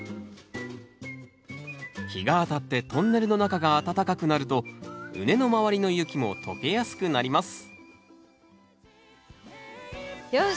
日が当たってトンネルの中が暖かくなると畝の周りの雪もとけやすくなりますよし！